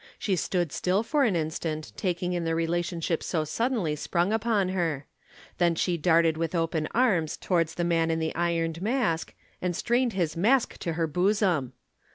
She stood still for an instant, taking in the relationship so suddenly sprung upon her. Then she darted with open arms towards the Man in the Ironed Mask and strained his Mask to her bosom.